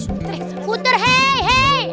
tidak ada tanah tanah